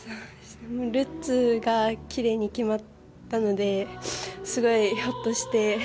ルッツが奇麗に決まったのですごいほっとして。